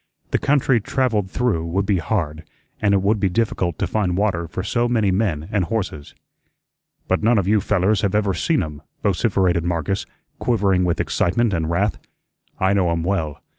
The country travelled through would be hard, and it would be difficult to find water for so many men and horses. "But none of you fellers have ever seen um," vociferated Marcus, quivering with excitement and wrath. "I know um well.